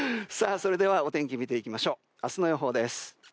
それではお天気を見ていきましょう明日の予報です。